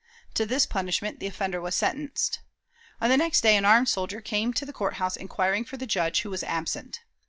To this punishment the offender was sentenced. On the next day an armed soldier came to the court house inquiring for the Judge, who was absent.